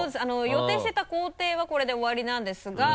予定していた行程はこれで終わりなんですが。